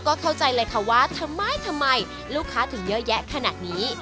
ก็เข้าใจเลยค่ะว่าทำไมทำไมลูกค้าถึงเยอะแยะขนาดนี้